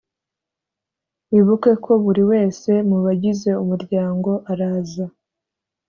wibuke ko buri wese mu bagize umuryango araza